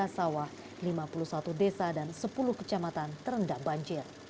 tiga tujuh ratus tiga sawah lima puluh satu desa dan sepuluh kecamatan terendam banjir